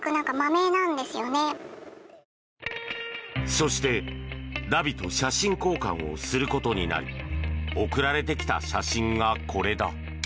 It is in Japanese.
そしてダビと写真交換をすることになり送られてきた写真がこれだ。